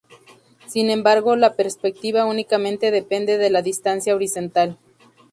Sin embargo, la perspectiva únicamente depende de la distancia horizontal.